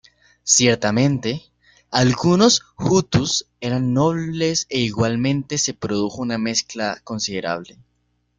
Ciertamente, algunos hutus eran nobles e igualmente se produjo una mezcla considerable.